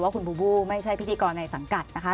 คุณบูบูไม่ใช่พิธีกรในสังกัดนะคะ